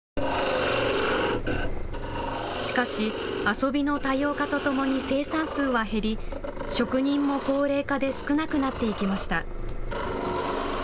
しかし遊びの多様化とともに生産数は減り、職人も高齢化で少なくなっていきました。